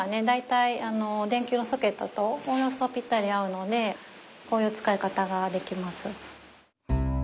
大体電球のソケットとおおよそぴったり合うのでこういう使い方ができます。